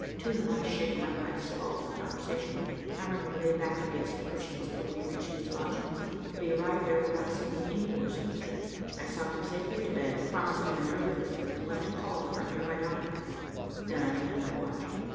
Too much shaken up by his fall for conversation, Hamerly lay back against the cushions till we reached his lodgings, but he arrived there without seeming any worse for the trip. I saw him safely to bed, promised him an early visit, and left a call for a near by doctor. Then I looked at my watch.